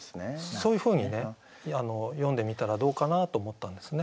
そういうふうに詠んでみたらどうかなと思ったんですね。